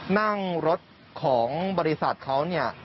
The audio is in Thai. นั่งรถของบริษัทเขาเนี่ย